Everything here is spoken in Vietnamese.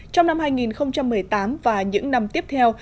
trong năm hai nghìn một mươi tám và những năm tiếp theo